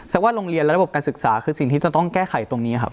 ว่าโรงเรียนและระบบการศึกษาคือสิ่งที่จะต้องแก้ไขตรงนี้ครับ